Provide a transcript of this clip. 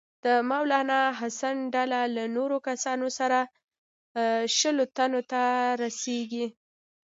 د مولنا حسن ډله له نورو کسانو سره شلو تنو ته رسیږي.